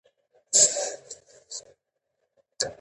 سمندر نه شتون د افغانستان د تکنالوژۍ پرمختګ سره تړاو لري.